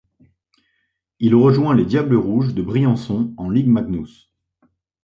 Il rejoint les Diables Rouges de Briançon en Ligue Magnus.